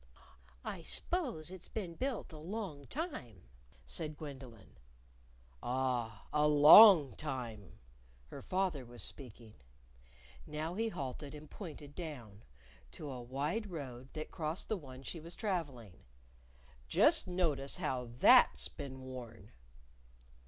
"I s'pose it's been built a long time," said Gwendolyn. "Ah, a long time!" Her father was speaking. Now he halted and pointed down to a wide road that crossed the one she was traveling. "Just notice how that's been worn."